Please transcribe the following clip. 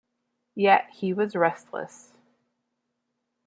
Yet he was restless.